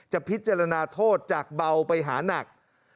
พิจารณาโทษจากเบาไปหานัก